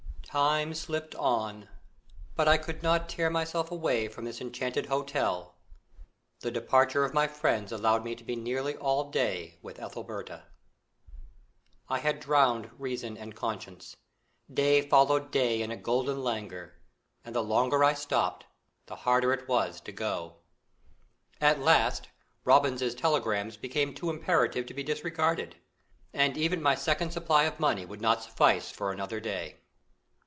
Time slipped on; but I could not tear myself away from this enchanted hotel. The departure of my friends allowed me to be nearly all day with Ethelberta. I had drowned reason and conscience: day followed day in a golden languor and the longer I stopped, the harder it was to go. At last Robins's telegrams became too imperative to be disregarded, and even my second supply of money would not suffice for another day.